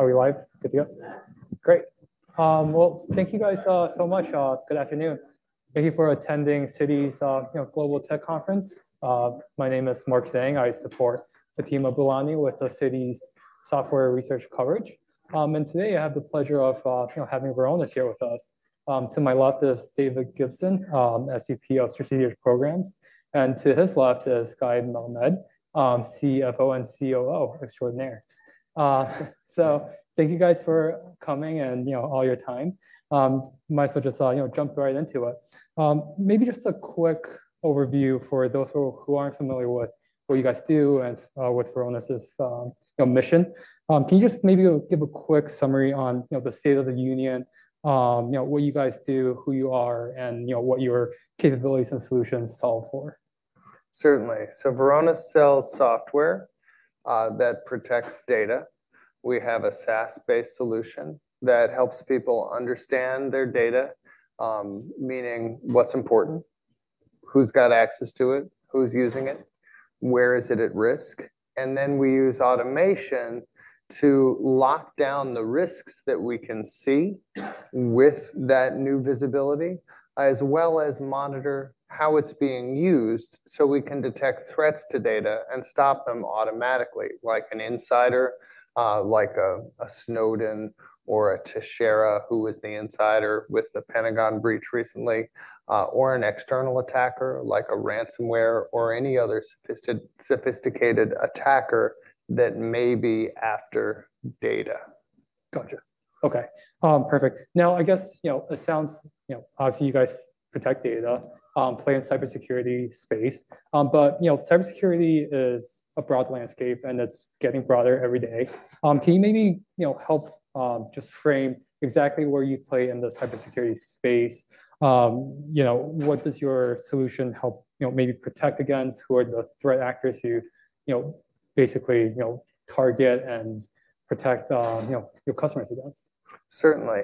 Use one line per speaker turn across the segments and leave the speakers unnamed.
Are we live? Good to go? Great. Well, thank you guys so much. Good afternoon. Thank you for attending Citi's Global Tech Conference. My name is Mark Zhang. I support Fatima Boolani with the Citi software research coverage. And today I have the pleasure of you know, having Varonis here with us. To my left is David Gibson, SVP of Strategic Programs, and to his left is Guy Melamed, CFO and COO extraordinaire. So thank you guys for coming and you know, all your time. Might as well just you know, jump right into it. Maybe just a quick overview for those who aren't familiar with what you guys do and what Varonis's you know, mission. Can you just maybe give a quick summary on, you know, the state of the union, you know, what you guys do, who you are, and you know, what your capabilities and solutions solve for?
Certainly. So Varonis sells software that protects data. We have a SaaS-based solution that helps people understand their data, meaning what's important, who's got access to it, who's using it, where is it at risk? And then we use automation to lock down the risks that we can see with that new visibility, as well as monitor how it's being used, so we can detect threats to data and stop them automatically, like an insider, like a Snowden or a Teixeira, who was the insider with the Pentagon breach recently, or an external attacker, like a ransomware or any other sophisticated attacker that may be after data.
Gotcha. Okay. Perfect. Now, I guess, you know, it sounds, you know, obviously, you guys protect data, play in cybersecurity space. But, you know, cybersecurity is a broad landscape, and it's getting broader every day. Can you maybe, you know, help, just frame exactly where you play in the cybersecurity space? You know, what does your solution help, you know, maybe protect against? Who are the threat actors who, you know, basically, you know, target and protect, you know, your customers against?
Certainly.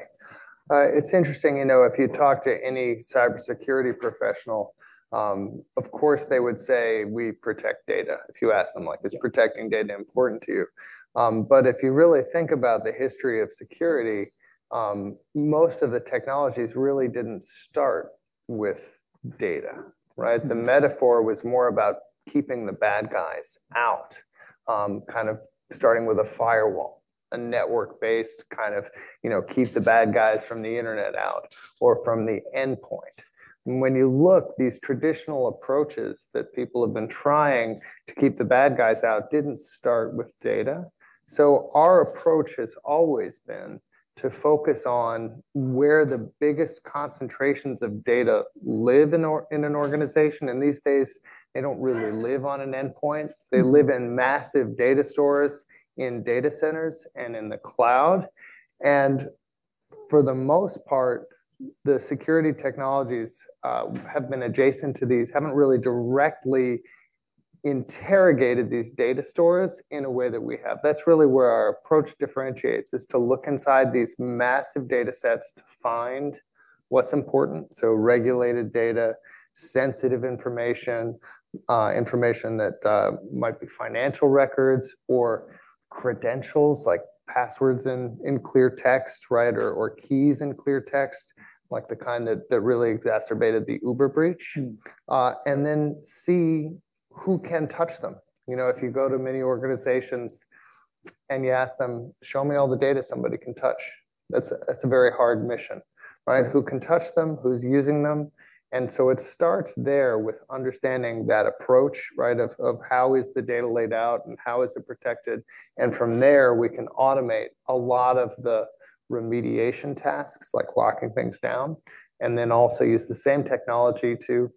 It's interesting, you know, if you talk to any cybersecurity professional, of course, they would say, we protect data. If you ask them, like, "Is protecting data important to you?" But if you really think about the history of security, most of the technologies really didn't start with data, right? The metaphor was more about keeping the bad guys out, kind of starting with a firewall, a network-based kind of, you know, keep the bad guys from the internet out or from the endpoint. When you look, these traditional approaches that people have been trying to keep the bad guys out didn't start with data. So our approach has always been to focus on where the biggest concentrations of data live in or, in an organization, and these days, they don't really live on an endpoint. They live in massive data stores, in data centers, and in the cloud. For the most part, the security technologies have been adjacent to these, haven't really directly interrogated these data stores in a way that we have. That's really where our approach differentiates, is to look inside these massive datasets to find what's important. So regulated data, sensitive information, information that might be financial records or credentials, like passwords in, in clear text, right? Or keys in clear text, like the kind that really exacerbated the Uber breach.
Mm-hmm.
And then see who can touch them. You know, if you go to many organizations and you ask them, "Show me all the data somebody can touch," that's a, that's a very hard mission, right? Who can touch them? Who's using them? And so it starts there with understanding that approach, right, of, of how is the data laid out and how is it protected. And from there, we can automate a lot of the remediation tasks, like locking things down, and then also use the same technology to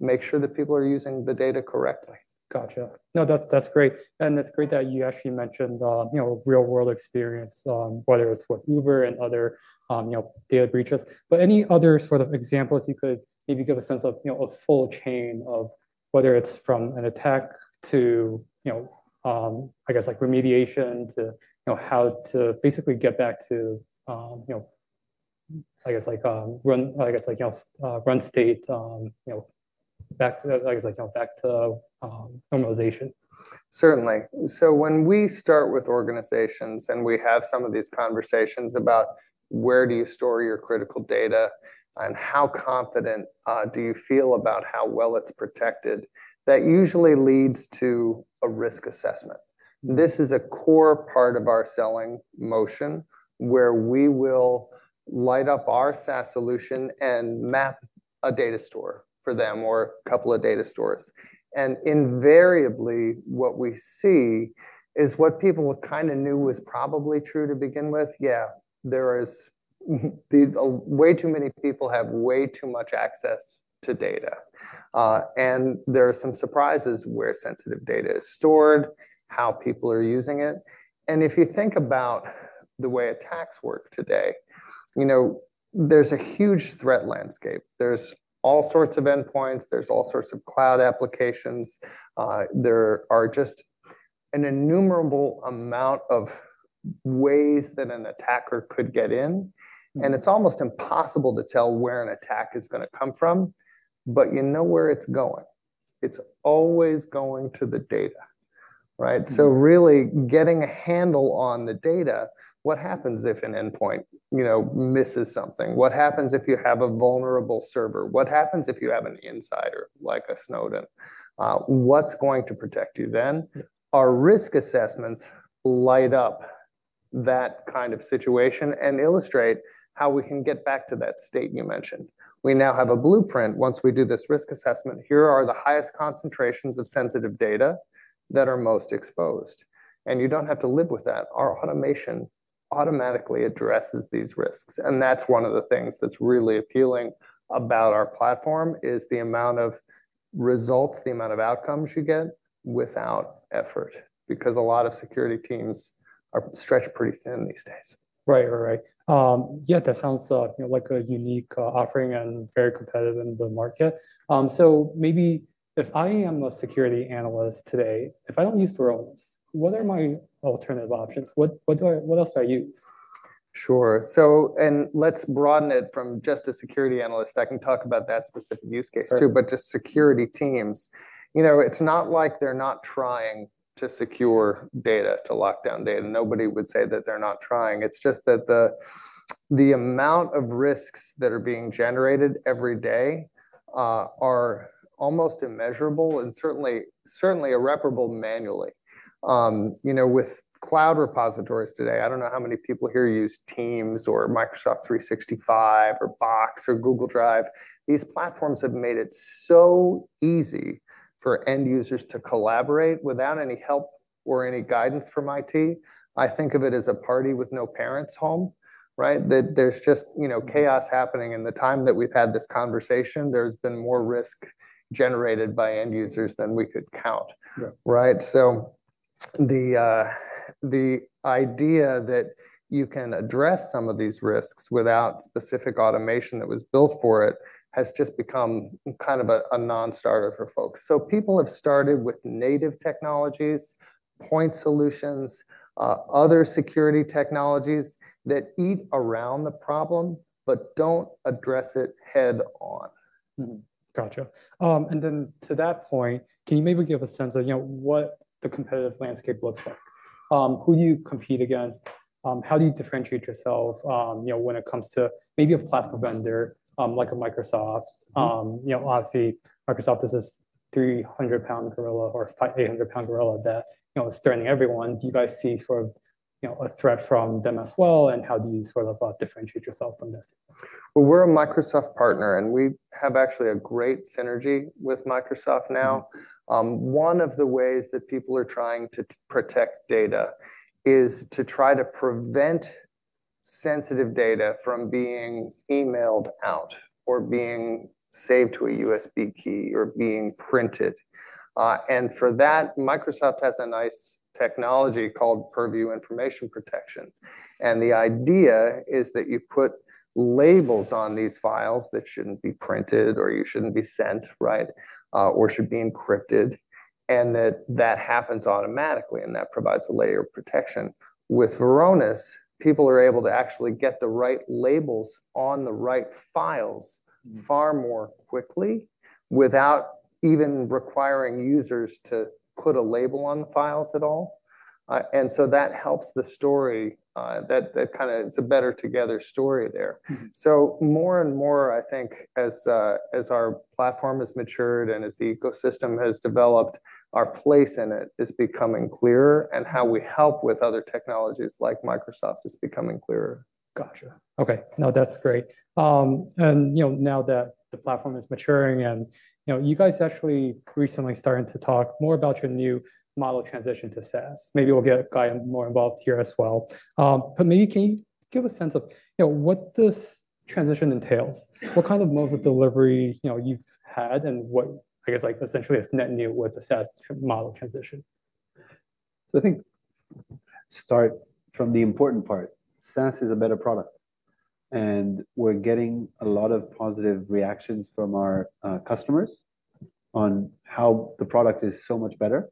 make sure that people are using the data correctly.
Gotcha. No, that's, that's great. And it's great that you actually mentioned, you know, real-world experience, whether it's for Uber and other, you know, data breaches. But any other sort of examples you could maybe give a sense of, you know, a full chain of whether it's from an attack to, you know, I guess like remediation to, you know, how to basically get back to, you know, I guess like, run, I guess, like, you know, run state, you know, back to, I guess, like, you know, back to, normalization.
Certainly. So when we start with organizations, and we have some of these conversations about where do you store your critical data, and how confident do you feel about how well it's protected, that usually leads to a risk assessment. This is a core part of our selling motion, where we will light up our SaaS solution and map a data store for them or a couple of data stores. And invariably, what we see is what people kind of knew was probably true to begin with. Yeah, there is... way too many people have way too much access to data. And there are some surprises where sensitive data is stored, how people are using it. And if you think about the way attacks work today, you know, there's a huge threat landscape. There's all sorts of endpoints, there's all sorts of cloud applications. There are just an innumerable amount of ways that an attacker could get in, and it's almost impossible to tell where an attack is gonna come from, but you know where it's going... It's always going to the data, right? So really getting a handle on the data, what happens if an endpoint, you know, misses something? What happens if you have a vulnerable server? What happens if you have an insider, like a Snowden? What's going to protect you then? Our risk assessments light up that kind of situation and illustrate how we can get back to that state you mentioned. We now have a blueprint. Once we do this risk assessment, here are the highest concentrations of sensitive data that are most exposed, and you don't have to live with that. Our automation automatically addresses these risks, and that's one of the things that's really appealing about our platform, is the amount of results, the amount of outcomes you get without effort, because a lot of security teams are stretched pretty thin these days.
Right. Right. Yeah, that sounds, you know, like a unique offering and very competitive in the market. So maybe if I am a security analyst today, if I don't use Varonis, what are my alternative options? What else do I use?
Sure. So, let's broaden it from just a security analyst. I can talk about that specific use case, too-
Sure...
but just security teams. You know, it's not like they're not trying to secure data, to lock down data. Nobody would say that they're not trying. It's just that the amount of risks that are being generated every day are almost immeasurable and certainly irreparable manually. You know, with cloud repositories today, I don't know how many people here use Teams or Microsoft 365, or Box, or Google Drive. These platforms have made it so easy for end users to collaborate without any help or any guidance from IT. I think of it as a party with no parents home, right? That there's just, you know, chaos happening. In the time that we've had this conversation, there's been more risk generated by end users than we could count.
Yeah.
Right? So the idea that you can address some of these risks without specific automation that was built for it has just become kind of a non-starter for folks. So people have started with native technologies, point solutions, other security technologies that eat around the problem, but don't address it head-on.
Mm-hmm. Gotcha. And then to that point, can you maybe give a sense of, you know, what the competitive landscape looks like? Who you compete against, how do you differentiate yourself, you know, when it comes to maybe a platform vendor, like a Microsoft.
Mm-hmm.
You know, obviously, Microsoft is a 300-pound gorilla or 800-pound gorilla that, you know, is threatening everyone. Do you guys see sort of, you know, a threat from them as well, and how do you sort of differentiate yourself from this?
Well, we're a Microsoft partner, and we have actually a great synergy with Microsoft now.
Mm-hmm.
One of the ways that people are trying to protect data is to try to prevent sensitive data from being emailed out, or being saved to a USB key, or being printed. And for that, Microsoft has a nice technology called Purview Information Protection, and the idea is that you put labels on these files that shouldn't be printed or you shouldn't be sent, right, or should be encrypted, and that happens automatically, and that provides a layer of protection. With Varonis, people are able to actually get the right labels on the right files-
Mm-hmm...
far more quickly, without even requiring users to put a label on the files at all. And so that helps the story, that kinda... It's a better-together story there.
Mm-hmm.
So more and more, I think, as our platform has matured and as the ecosystem has developed, our place in it is becoming clearer, and how we help with other technologies like Microsoft is becoming clearer.
Gotcha. Okay, now that's great. And, you know, now that the platform is maturing, and, you know, you guys actually recently starting to talk more about your new model transition to SaaS. Maybe we'll get Guy more involved here as well. But maybe can you give a sense of, you know, what this transition entails? What kind of modes of delivery, you know, you've had and what, I guess, like, essentially, is net new with the SaaS model transition?
I think start from the important part. SaaS is a better product, and we're getting a lot of positive reactions from our customers on how the product is so much better,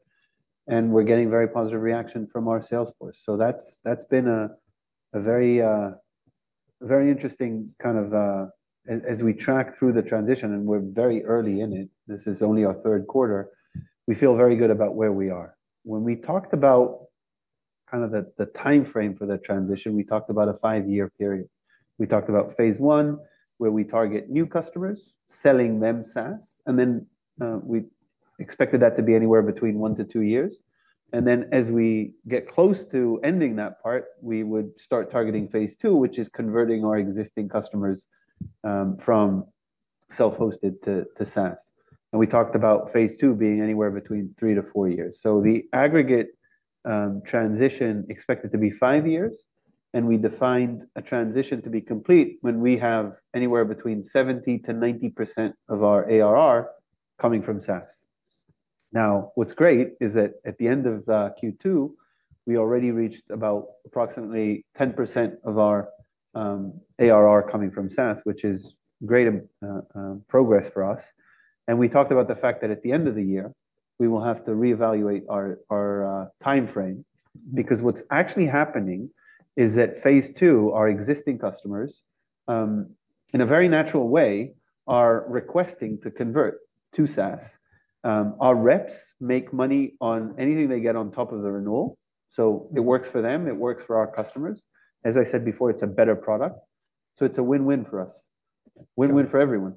and we're getting very positive reaction from our sales force. So that's been a very interesting kind of. As we track through the transition, and we're very early in it, this is only our third quarter, we feel very good about where we are. When we talked about the time frame for the transition, we talked about a five-year period. We talked about phase I, where we target new customers, selling them SaaS, and then we expected that to be anywhere between one to two years. And then, as we get close to ending that part, we would start targeting phase II, which is converting our existing customers from self-hosted to SaaS. And we talked about phase II being anywhere between three to four years. So the aggregate transition expected to be five years, and we defined a transition to be complete when we have anywhere between 70%-90% of our ARR coming from SaaS. Now, what's great is that at the end of Q2, we already reached about approximately 10% of our ARR coming from SaaS, which is great progress for us. And we talked about the fact that at the end of the year, we will have to reevaluate our time frame. Because what's actually happening is that phase II, our existing customers, in a very natural way, are requesting to convert to SaaS. Our reps make money on anything they get on top of the renewal, so it works for them, it works for our customers. As I said before, it's a better product, so it's a win-win for us. Win-win for everyone.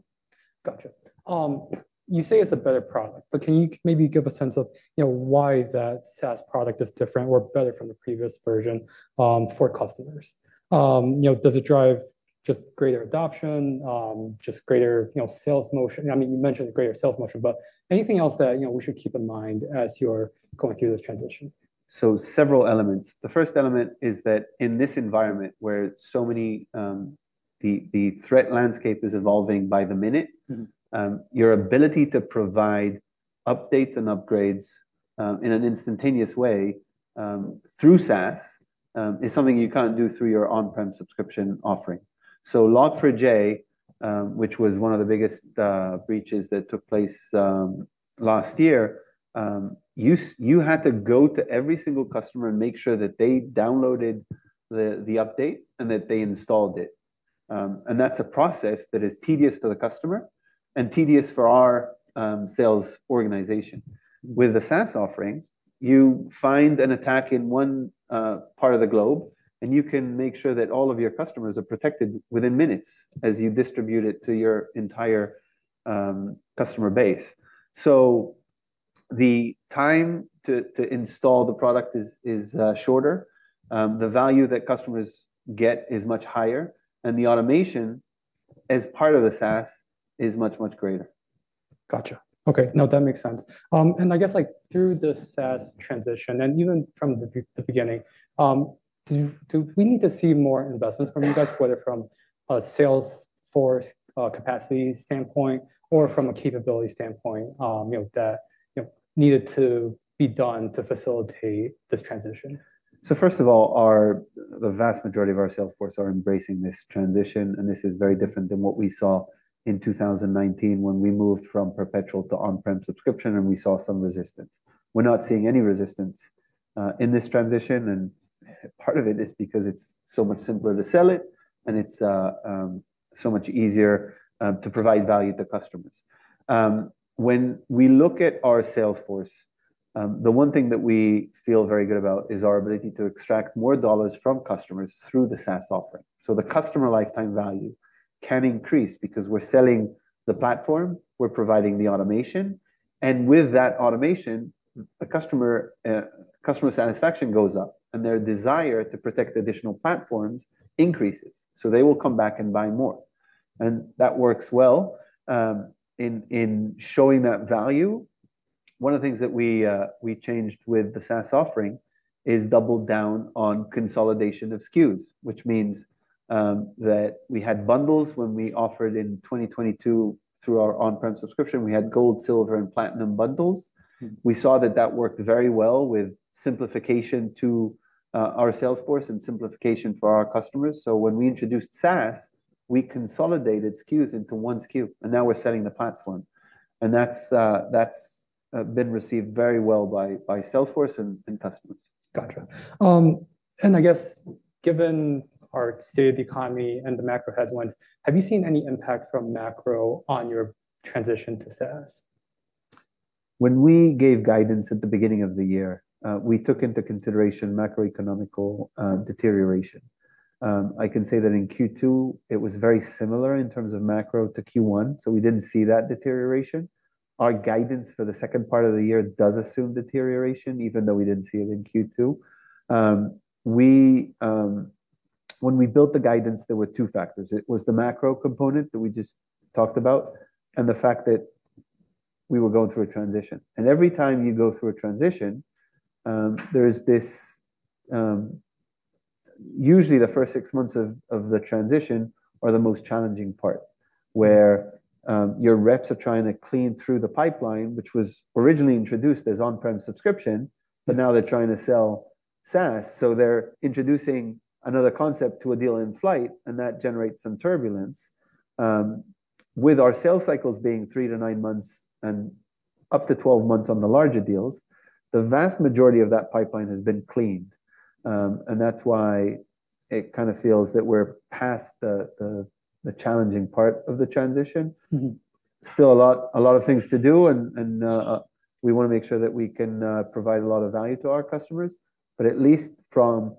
Gotcha. You say it's a better product, but can you maybe give a sense of, you know, why that SaaS product is different or better from the previous version, for customers? You know, does it drive just greater adoption, just greater, you know, sales motion? I mean, you mentioned greater sales motion, but anything else that, you know, we should keep in mind as you're going through this transition?
So several elements. The first element is that in this environment where so many, the threat landscape is evolving by the minute-
Mm-hmm.
Your ability to provide updates and upgrades in an instantaneous way through SaaS is something you can't do through your on-prem subscription offering. So Log4j, which was one of the biggest breaches that took place last year, you had to go to every single customer and make sure that they downloaded the update and that they installed it. And that's a process that is tedious for the customer and tedious for our sales organization. With the SaaS offering, you find an attack in one part of the globe, and you can make sure that all of your customers are protected within minutes as you distribute it to your entire customer base. So the time to install the product is shorter, the value that customers get is much higher, and the automation, as part of the SaaS, is much, much greater.
Gotcha. Okay. No, that makes sense. And I guess, like, through the SaaS transition, and even from the beginning, do we need to see more investments from you guys, whether from a sales force capacity standpoint or from a capability standpoint, you know, that needed to be done to facilitate this transition?
So first of all, the vast majority of our sales force are embracing this transition, and this is very different than what we saw in 2019 when we moved from perpetual to on-prem subscription, and we saw some resistance. We're not seeing any resistance in this transition, and part of it is because it's so much simpler to sell it, and it's so much easier to provide value to customers. When we look at our sales force, the one thing that we feel very good about is our ability to extract more dollars from customers through the SaaS offering. So the customer lifetime value can increase because we're selling the platform, we're providing the automation, and with that automation, customer satisfaction goes up, and their desire to protect additional platforms increases. So they will come back and buy more. That works well in showing that value. One of the things that we changed with the SaaS offering is doubled down on consolidation of SKUs, which means that we had bundles when we offered in 2022 through our on-prem subscription. We had gold, silver, and platinum bundles.
Mm-hmm.
We saw that that worked very well with simplification to our sales force and simplification for our customers. So when we introduced SaaS, we consolidated SKUs into one SKU, and now we're selling the platform. And that's been received very well by sales force and customers.
Gotcha. I guess, given our state of the economy and the macro headwinds, have you seen any impact from macro on your transition to SaaS?
When we gave guidance at the beginning of the year, we took into consideration macroeconomic deterioration. I can say that in Q2, it was very similar in terms of macro to Q1, so we didn't see that deterioration. Our guidance for the second part of the year does assume deterioration, even though we didn't see it in Q2. When we built the guidance, there were two factors. It was the macro component that we just talked about and the fact that we were going through a transition. Every time you go through a transition, there is this... Usually, the first six months of the transition are the most challenging part, where your reps are trying to clean through the pipeline, which was originally introduced as on-prem subscription, but now they're trying to sell SaaS. So they're introducing another concept to a deal in flight, and that generates some turbulence. With our sales cycles being 3-9 months and up to 12 months on the larger deals, the vast majority of that pipeline has been cleaned. And that's why it kind of feels that we're past the challenging part of the transition.
Mm-hmm.
Still a lot of things to do, and we wanna make sure that we can provide a lot of value to our customers, but at least from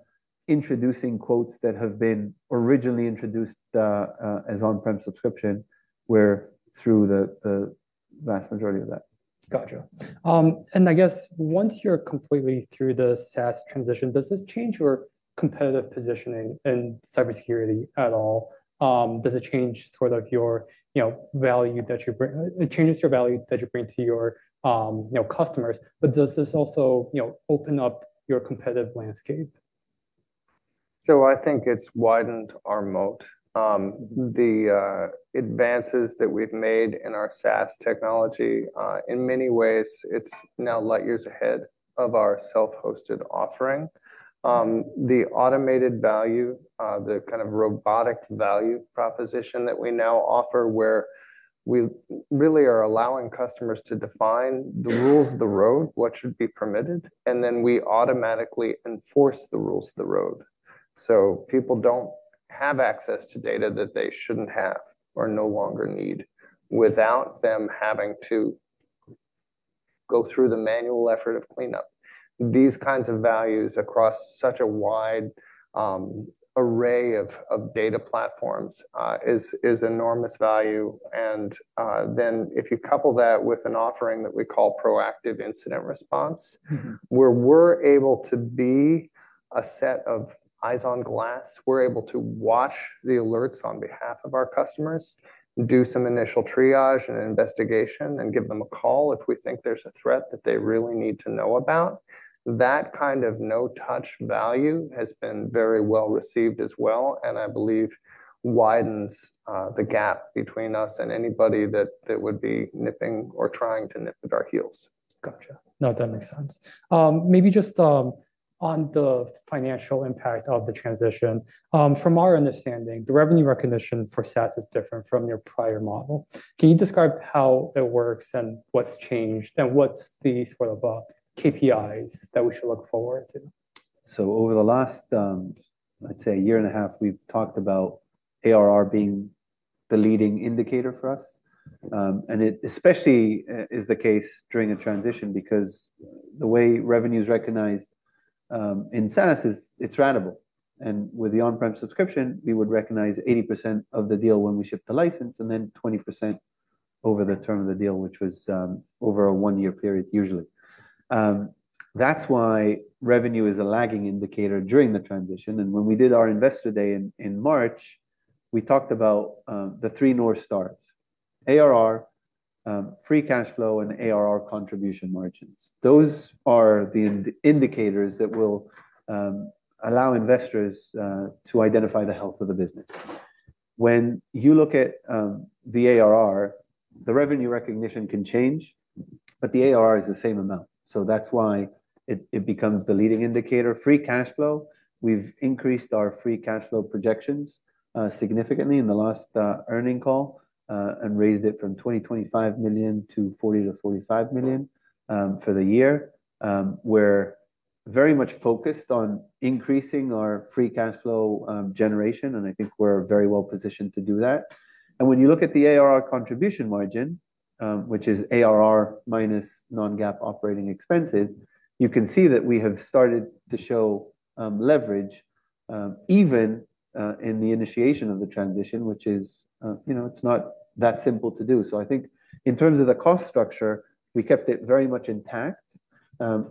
introducing quotes that have been originally introduced as on-prem subscription, we're through the vast majority of that.
Gotcha. And I guess once you're completely through the SaaS transition, does this change your competitive positioning in cybersecurity at all? Does it change sort of your, you know, value that you bring. It changes your value that you bring to your, you know, customers, but does this also, you know, open up your competitive landscape?
So I think it's widened our moat. The advances that we've made in our SaaS technology, in many ways, it's now light years ahead of our self-hosted offering. The automated value, the kind of robotic value proposition that we now offer, we really are allowing customers to define the rules of the road, what should be permitted, and then we automatically enforce the rules of the road. So people don't have access to data that they shouldn't have or no longer need, without them having to go through the manual effort of cleanup. These kinds of values across such a wide array of data platforms is enormous value. Then if you couple that with an offering that we call proactive incident response-
Mm-hmm.
where we're able to be a set of eyes on glass, we're able to watch the alerts on behalf of our customers, do some initial triage and investigation, and give them a call if we think there's a threat that they really need to know about. That kind of no-touch value has been very well received as well, and I believe widens the gap between us and anybody that would be nipping or trying to nip at our heels.
Gotcha. No, that makes sense. Maybe just on the financial impact of the transition, from our understanding, the revenue recognition for SaaS is different from your prior model. Can you describe how it works and what's changed, and what's the sort of KPIs that we should look forward to?
So over the last, let's say a year and a half, we've talked about ARR being the leading indicator for us. And it especially is the case during a transition, because the way revenue is recognized in SaaS is it's ratable. And with the on-prem subscription, we would recognize 80% of the deal when we ship the license, and then 20% over the term of the deal, which was over a one-year period, usually. That's why revenue is a lagging indicator during the transition, and when we did our Investor Day in March, we talked about the three North Stars: ARR, free cash flow, and ARR contribution margins. Those are the indicators that will allow investors to identify the health of the business. When you look at the ARR, the revenue recognition can change, but the ARR is the same amount, so that's why it becomes the leading indicator. Free cash flow, we've increased our free cash flow projections significantly in the last earnings call and raised it from $20-$25 million to $40-$45 million for the year. We're very much focused on increasing our free cash flow generation, and I think we're very well positioned to do that. And when you look at the ARR contribution margin, which is ARR minus non-GAAP operating expenses, you can see that we have started to show leverage even in the initiation of the transition, which is, you know, it's not that simple to do. I think in terms of the cost structure, we kept it very much intact,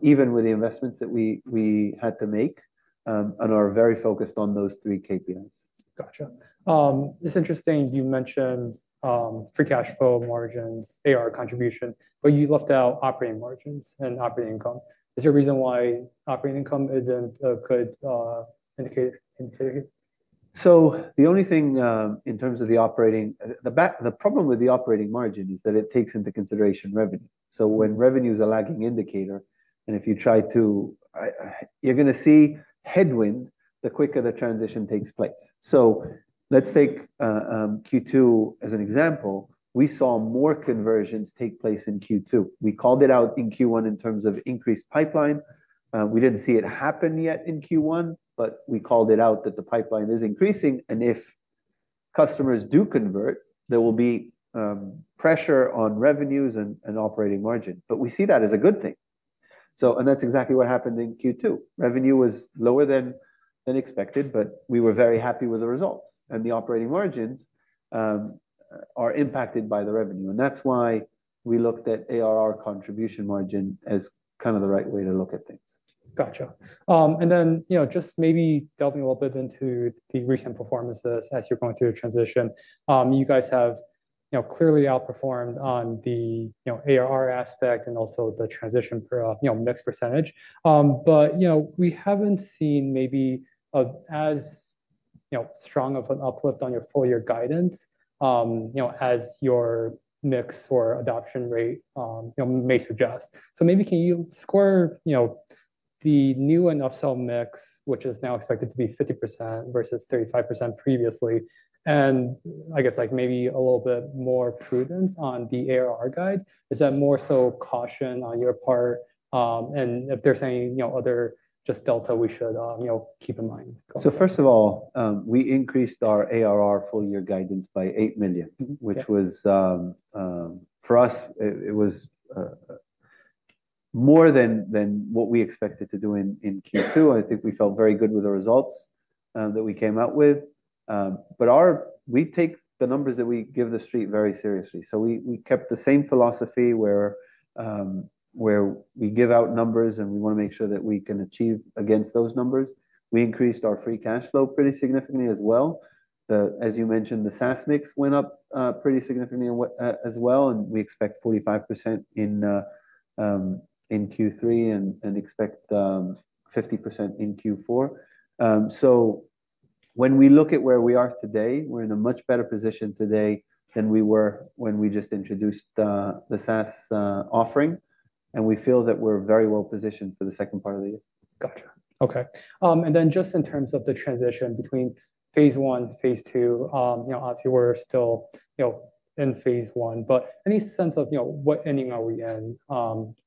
even with the investments that we had to make, and are very focused on those three KPIs.
Gotcha. It's interesting you mentioned free cash flow margins, ARR contribution, but you left out operating margins and operating income. Is there a reason why operating income isn't a good indicator?
So the only thing in terms of the operating The problem with the operating margin is that it takes into consideration revenue. So when revenue is a lagging indicator, and if you try to, you're gonna see headwind the quicker the transition takes place. So let's take Q2 as an example. We saw more conversions take place in Q2. We called it out in Q1 in terms of increased pipeline. We didn't see it happen yet in Q1, but we called it out that the pipeline is increasing, and if customers do convert, there will be pressure on revenues and operating margin. But we see that as a good thing. And that's exactly what happened in Q2. Revenue was lower than expected, but we were very happy with the results. The operating margins are impacted by the revenue, and that's why we looked at ARR contribution margin as kind of the right way to look at things.
Gotcha. And then, you know, just maybe delving a little bit into the recent performances as you're going through the transition. You guys have, you know, clearly outperformed on the, you know, ARR aspect and also the transition per, you know, mix percentage. But, you know, we haven't seen maybe as strong of an uplift on your full year guidance, you know, as your mix or adoption rate, you know, may suggest. So maybe can you square, you know, the new and upsell mix, which is now expected to be 50% versus 35% previously, and I guess, like, maybe a little bit more prudence on the ARR guide? Is that more so caution on your part, and if there's any, you know, other just delta we should, you know, keep in mind?
First of all, we increased our ARR full year guidance by $8 million-
Mm-hmm. Yeah.
- which was, for us, it was more than what we expected to do in Q2. I think we felt very good with the results that we came out with. But our we take the numbers that we give the street very seriously. So we kept the same philosophy where we give out numbers, and we wanna make sure that we can achieve against those numbers. We increased our free cash flow pretty significantly as well. As you mentioned, the SaaS mix went up pretty significantly as well, and we expect 45% in Q3 and expect 50% in Q4. So when we look at where we are today, we're in a much better position today than we were when we just introduced the SaaS offering. We feel that we're very well positioned for the second part of the year.
Gotcha. Okay. And then just in terms of the transition between phase I, phase II, you know, obviously, we're still, you know, in phase I, but any sense of, you know, what ending are we in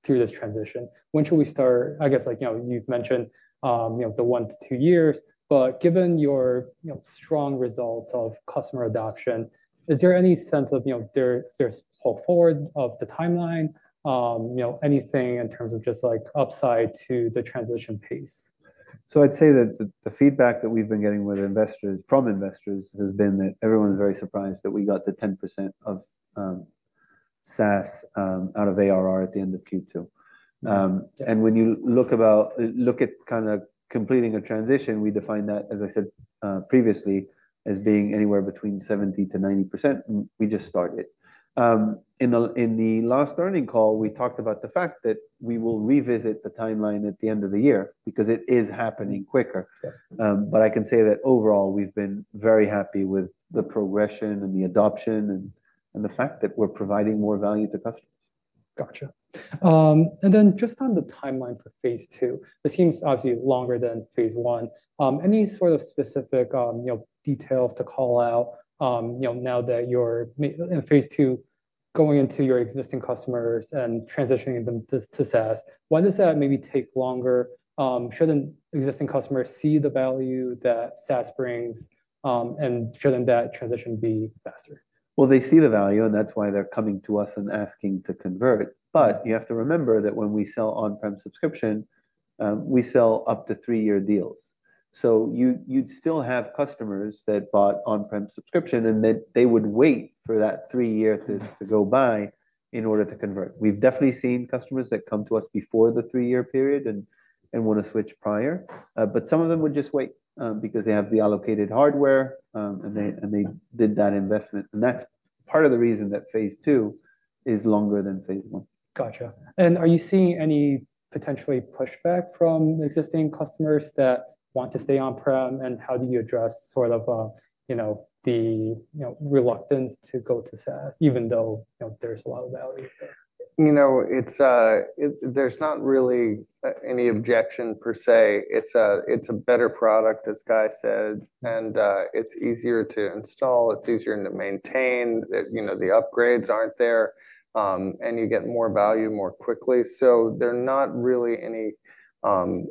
through this transition? When should we start, I guess, like, you know, you've mentioned, you know, the one to two years, but given your, you know, strong results of customer adoption, is there any sense of, you know, there, there's pull forward of the timeline, you know, anything in terms of just, like, upside to the transition pace?
So I'd say that the feedback that we've been getting from investors has been that everyone's very surprised that we got to 10% of SaaS out of ARR at the end of Q2. And when you look at kinda completing a transition, we define that, as I said, previously, as being anywhere between 70%-90%, and we just started. In the last earnings call, we talked about the fact that we will revisit the timeline at the end of the year because it is happening quicker.
Yeah.
I can say that overall, we've been very happy with the progression and the adoption and the fact that we're providing more value to customers.
Gotcha. And then just on the timeline for phase II, this seems obviously longer than phase I. Any sort of specific, you know, details to call out, you know, now that you're in phase II, going into your existing customers and transitioning them to SaaS, why does that maybe take longer? Shouldn't existing customers see the value that SaaS brings, and shouldn't that transition be faster?
Well, they see the value, and that's why they're coming to us and asking to convert. But you have to remember that when we sell on-prem subscription, we sell up to three-year deals. So you'd still have customers that bought on-prem subscription, and that they would wait for that three-year to go by in order to convert. We've definitely seen customers that come to us before the three-year period and wanna switch prior, but some of them would just wait, because they have the allocated hardware, and they did that investment, and that's part of the reason that phase II is longer than phase I.
Gotcha. And are you seeing any potentially pushback from existing customers that want to stay on-prem, and how do you address sort of, you know, the, you know, reluctance to go to SaaS, even though, you know, there's a lot of value there?
You know, it's. There's not really any objection per se. It's a, it's a better product, as Guy said, and, it's easier to install, it's easier to maintain. It, you know, the upgrades aren't there, and you get more value more quickly. So there are not really any,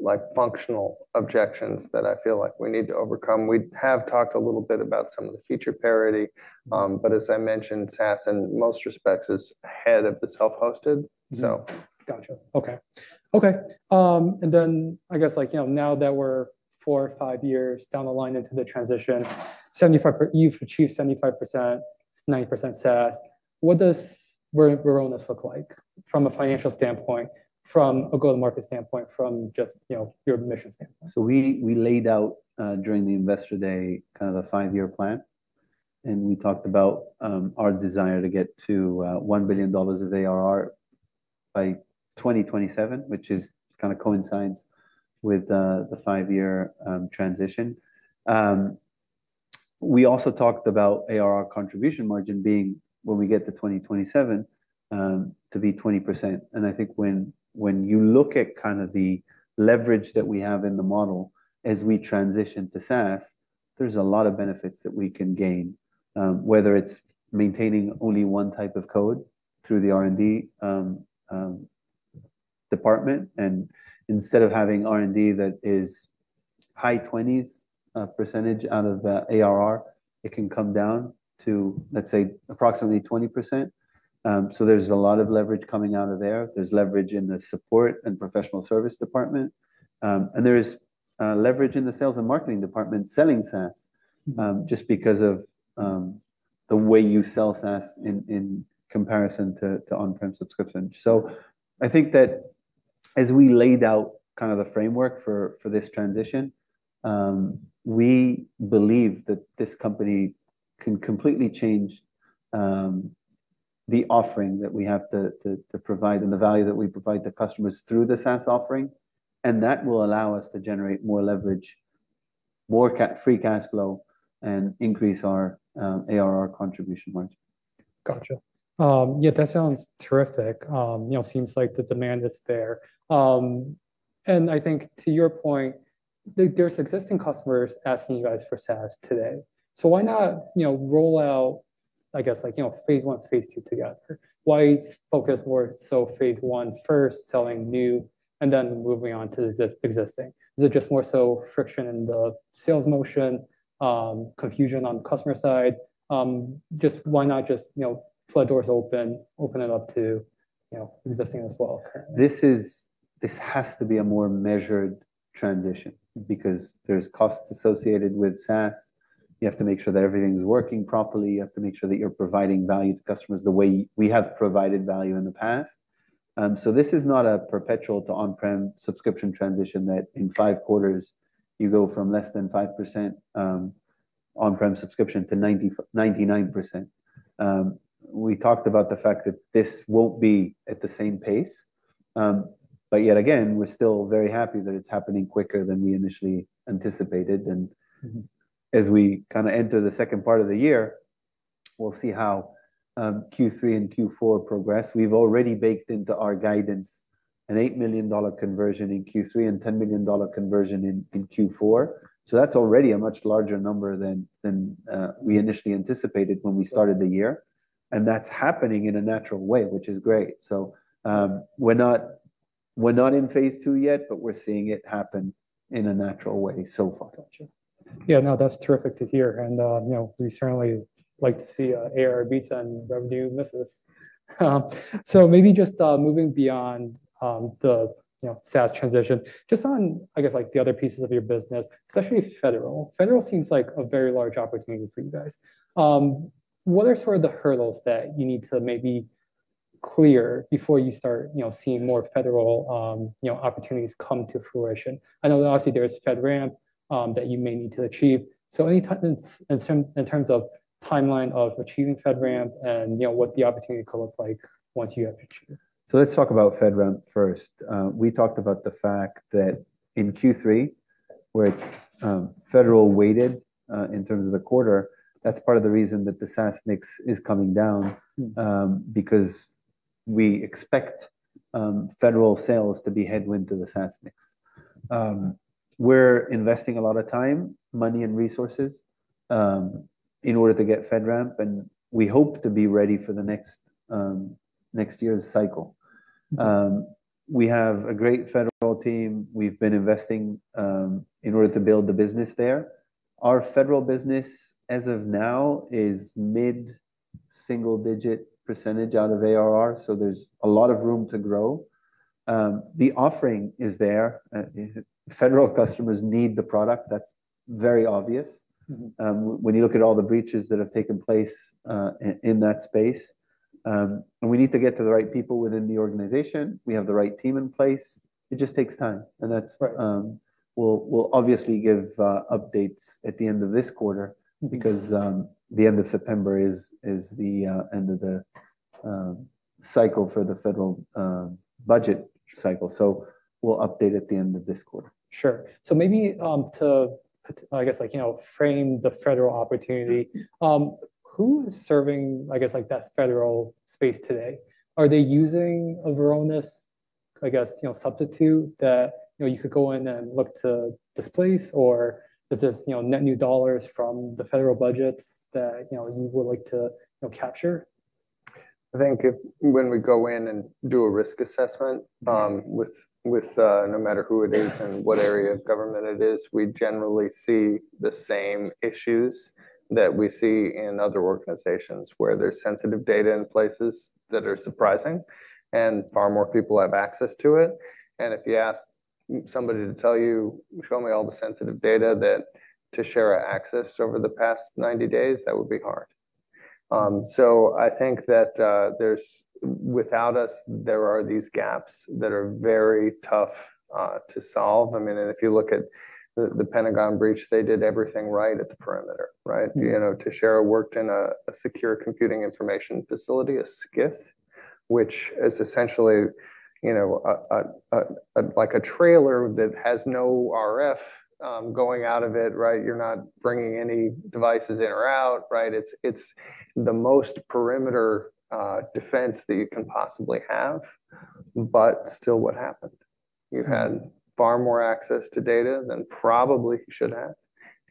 like, functional objections that I feel like we need to overcome. We have talked a little bit about some of the feature parity, but as I mentioned, SaaS, in most respects, is ahead of the self-hosted, so.
Mm-hmm. Gotcha. Okay. Okay, and then I guess, like, you know, now that we're four or five years down the line into the transition, 75—you've achieved 75%, 90% SaaS, what does where, where we're almost look like from a financial standpoint, from a go-to-market standpoint, from just, you know, your mission standpoint?
So we laid out during the Investor Day kind of the five-year plan, and we talked about our desire to get to $1 billion of ARR by 2027, which kind of coincides with the five-year transition. We also talked about ARR contribution margin being when we get to 2027 to be 20%. And I think when you look at kind of the leverage that we have in the model as we transition to SaaS, there's a lot of benefits that we can gain, whether it's maintaining only one type of code through the R&D department, and instead of having R&D that is high 20s percentage out of the ARR, it can come down to, let's say, approximately 20%. So there's a lot of leverage coming out of there. There's leverage in the support and professional service department, and there is leverage in the sales and marketing department selling SaaS, just because of the way you sell SaaS in comparison to on-prem subscription. So I think that as we laid out kind of the framework for this transition, we believe that this company can completely change the offering that we have to provide and the value that we provide the customers through the SaaS offering, and that will allow us to generate more leverage, more free cash flow, and increase our ARR contribution margin.
Gotcha. Yeah, that sounds terrific. You know, seems like the demand is there. And I think to your point, there's existing customers asking you guys for SaaS today. So why not, you know, roll out, I guess, like, you know, phase I, phase II together? Why focus more so phase I first, selling new, and then moving on to the existing? Is it just more so friction in the sales motion, confusion on the customer side? Just why not just, you know, flood doors open, open it up to, you know, existing as well currently?
This has to be a more measured transition because there's costs associated with SaaS. You have to make sure that everything is working properly, you have to make sure that you're providing value to customers the way we have provided value in the past. So this is not a perpetual to on-prem subscription transition that in five quarters, you go from less than 5%, on-prem subscription to 99%. We talked about the fact that this won't be at the same pace, but yet again, we're still very happy that it's happening quicker than we initially anticipated.
Mm-hmm ...
as we kinda enter the second part of the year-... we'll see how Q3 and Q4 progress. We've already baked into our guidance an $8 million conversion in Q3 and $10 million conversion in Q4. So that's already a much larger number than we initially anticipated when we started the year, and that's happening in a natural way, which is great. So we're not in phase II yet, but we're seeing it happen in a natural way so far.
Gotcha. Yeah, no, that's terrific to hear, and, you know, we certainly like to see ARR beats and revenue misses. So maybe just moving beyond the, you know, SaaS transition, just on, I guess, like the other pieces of your business, especially federal. Federal seems like a very large opportunity for you guys. What are sort of the hurdles that you need to maybe clear before you start, you know, seeing more federal opportunities come to fruition? I know obviously, there's FedRAMP that you may need to achieve. So any in some, in terms of timeline of achieving FedRAMP and, you know, what the opportunity could look like once you have achieved it.
So let's talk about FedRAMP first. We talked about the fact that in Q3, where it's federal weighted, in terms of the quarter, that's part of the reason that the SaaS mix is coming down, because we expect federal sales to be headwind to the SaaS mix. We're investing a lot of time, money, and resources in order to get FedRAMP, and we hope to be ready for the next next year's cycle. We have a great federal team. We've been investing in order to build the business there. Our federal business, as of now, is mid-single-digit % out of ARR, so there's a lot of room to grow. The offering is there. Federal customers need the product. That's very obvious.
Mm-hmm.
When you look at all the breaches that have taken place in that space. And we need to get to the right people within the organization. We have the right team in place. It just takes time, and that's-
Right.
We'll obviously give updates at the end of this quarter.
Mm-hmm.
-because the end of September is the end of the cycle for the federal budget cycle. So we'll update at the end of this quarter.
Sure. So maybe, to put... I guess, like, you know, frame the federal opportunity, who is serving, I guess, like, that federal space today? Are they using a Varonis, I guess, you know, substitute that, you know, you could go in and look to displace, or is this, you know, net new dollars from the federal budgets that, you know, you would like to, you know, capture?
I think if when we go in and do a risk assessment, with no matter who it is and what area of government it is, we generally see the same issues that we see in other organizations, where there's sensitive data in places that are surprising and far more people have access to it. And if you ask somebody to tell you, "Show me all the sensitive data that Teixeira accessed over the past 90 days," that would be hard. So I think that, there's without us, there are these gaps that are very tough to solve. I mean, and if you look at the Pentagon breach, they did everything right at the perimeter, right?
Mm-hmm.
You know, Teixeira worked in a Sensitive Compartmented Information Facility, a SCIF, which is essentially, you know, a like a trailer that has no RF going out of it, right? You're not bringing any devices in or out, right? It's the most perimeter defense that you can possibly have, but still, what happened? You had far more access to data than probably you should have,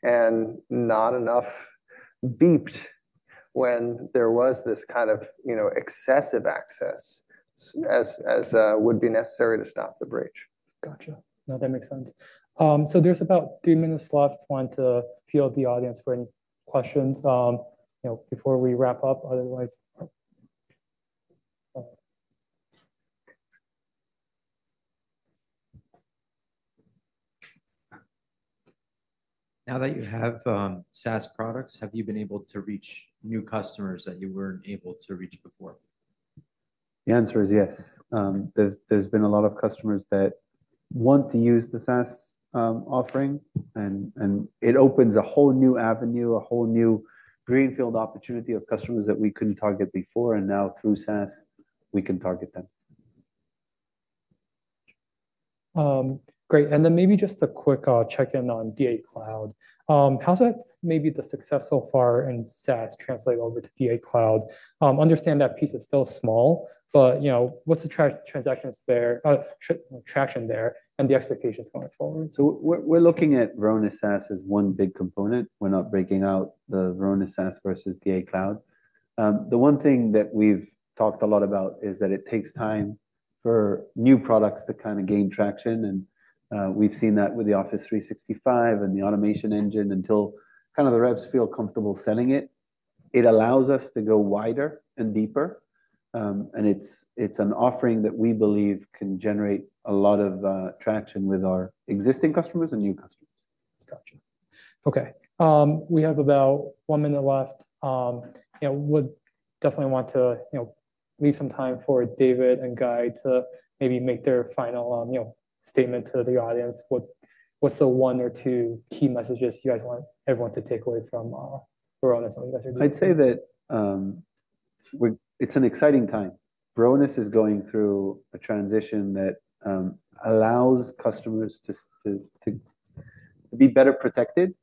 and not enough beeped when there was this kind of, you know, excessive access as would be necessary to stop the breach.
Gotcha. No, that makes sense. So there's about three minutes left. Want to poll the audience for any questions, you know, before we wrap up. Otherwise... Now that you have SaaS products, have you been able to reach new customers that you weren't able to reach before?
The answer is yes. There's been a lot of customers that want to use the SaaS offering, and it opens a whole new avenue, a whole new greenfield opportunity of customers that we couldn't target before, and now through SaaS, we can target them.
Great. And then maybe just a quick check-in on DA Cloud. How does maybe the success so far in SaaS translate over to DA Cloud? Understand that piece is still small, but, you know, what's the traction there, and the expectations going forward?
So we're looking at Varonis SaaS as one big component. We're not breaking out the Varonis SaaS versus DA Cloud. The one thing that we've talked a lot about is that it takes time for new products to kind of gain traction, and we've seen that with the Office 365 and the automation engine. Until kind of the reps feel comfortable selling it, it allows us to go wider and deeper, and it's an offering that we believe can generate a lot of traction with our existing customers and new customers.
Gotcha. Okay, we have about one minute left. You know, would definitely want to, you know, leave some time for David and Guy to maybe make their final, you know, statement to the audience. What, what's the one or two key messages you guys want everyone to take away from, Varonis and what you guys are doing?
I'd say that it's an exciting time. Varonis is going through a transition that allows customers to be better protected,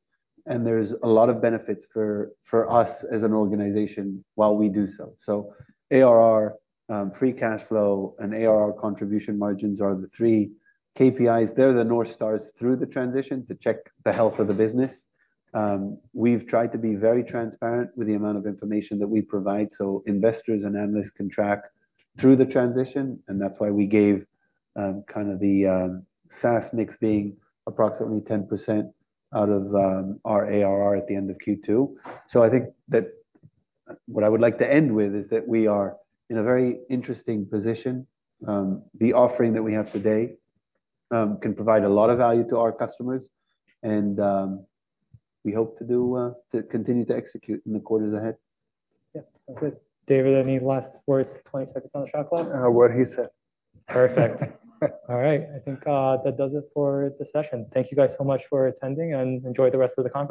and there's a lot of benefits for us as an organization while we do so. So ARR, free cash flow, and ARR contribution margins are the three KPIs. They're the North Stars through the transition to check the health of the business. We've tried to be very transparent with the amount of information that we provide, so investors and analysts can track through the transition, and that's why we gave kind of the SaaS mix being approximately 10% out of our ARR at the end of Q2. So I think that what I would like to end with is that we are in a very interesting position. The offering that we have today can provide a lot of value to our customers, and we hope to continue to execute in the quarters ahead.
Yeah. Good. David, any last words, 20 seconds on the shot clock?
What he said.
Perfect. All right, I think, that does it for the session. Thank you guys so much for attending, and enjoy the rest of the conference.